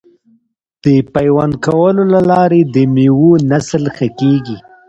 د پیوند کولو له لارې د میوو نسل ښه کیږي.